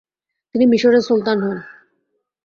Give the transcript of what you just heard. তিনি মিশরের সুলতান হন।